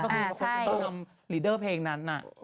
ก็คือคนรีดเดอร์เพลงนั้น